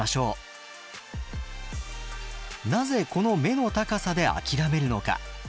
なぜこの目の高さで諦めるのか。